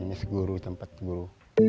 ini seguru tempat guru